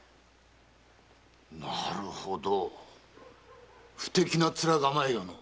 なるほど不敵な面構えよのう。